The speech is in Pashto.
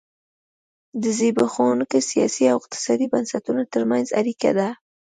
د زبېښونکو سیاسي او اقتصادي بنسټونو ترمنځ اړیکه ده.